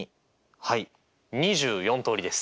はい２４通りです。